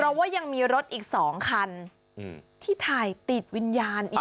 เพราะว่ายังมีรถอีก๒คันที่ถ่ายติดวิญญาณอีก